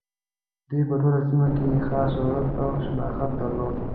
دوی په ټوله سیمه کې یې خاص شهرت او شناخت درلود.